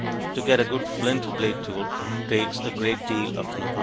To get a good flint blade tool takes a great deal of know how.